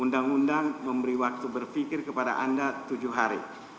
undang undang memberi waktu berpikir kepada anda tujuh hari